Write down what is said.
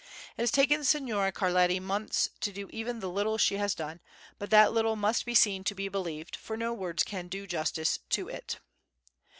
It has taken Signora Carletti months to do even the little she has done, but that little must be seen to be believed, for no words can do justice to it.